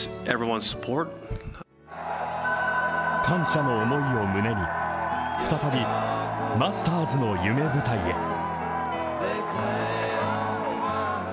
感謝の思いを胸に、再びマスターズの夢舞台へ。